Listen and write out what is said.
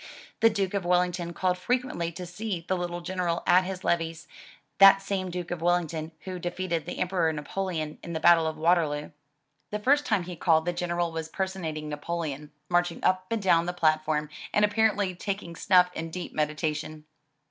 The Duke of Wellington called frequently to see the little General at his levees (that same Duke of Wellington who defeated the Emperor Napoleon in the battle of Waterloo). The first time he called the General was personating Napoleon, march ing up and down the platform, and apparently taking snuff in deep meditation.